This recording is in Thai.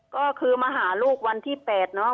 ก็คือมาหาลูกวันที่๘เนอะ